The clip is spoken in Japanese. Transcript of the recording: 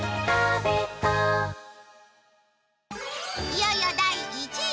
いよいよ第１位。